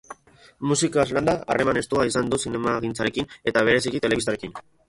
Musikaz landa, harreman estua izan du zinemagintzarekin eta bereziki telebistarekin.